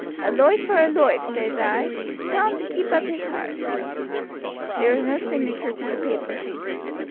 A loife for a loife, saes oi; so tell him to keep up his heart." There was no signature to the paper.